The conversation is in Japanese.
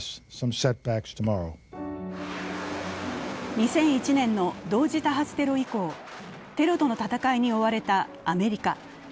２００１年の同時多発テロ以降、テロとの戦いに追われたアメリカ。